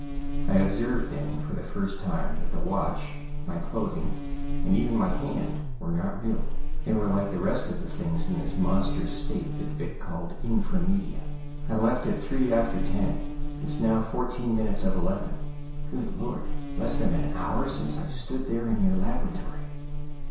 I observed then, for the first time, that the watch, my clothing, and even my hand, were not real; they were like the rest of the things in this monstrous state that Vic called Infra Media. "I left at three after ten. It's now fourteen minutes of eleven Good Lord! Less than an hour since I stood there in your laboratory!"